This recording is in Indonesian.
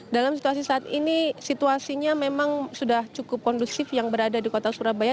dalam situasi saat ini situasinya memang sudah cukup kondusif yang berada di kota surabaya